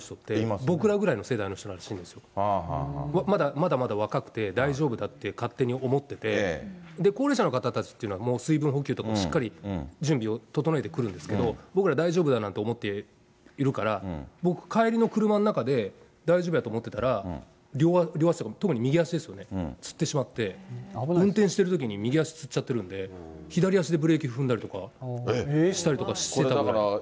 まだまだ若くて、大丈夫だって勝手に思ってて、で、高齢者の方たちっていうのは、水分補給とかもしっかり準備を整えてくるんですけど、僕ら、大丈夫だなんて思っているから、僕、帰りの車の中で、大丈夫やと思ってたら、両足、特に右足ですよね、つってしまって、運転してるときに右足つっちゃってるんで、左足でブレーキ踏んだりとかしたりとかしてたから。